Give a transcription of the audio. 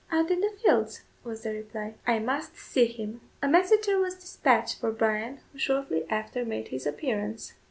"Out in the fields," was the reply. "I must see him." A messenger was despatched for Bryan, who shortly after made his appearance.